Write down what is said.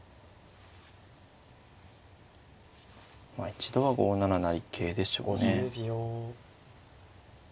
一度は５七成桂でしょうね。